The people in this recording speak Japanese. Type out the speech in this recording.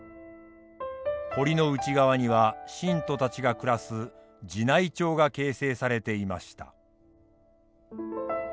堀の内側には信徒たちが暮らす寺内町が形成されていました。